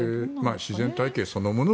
自然体系そのもの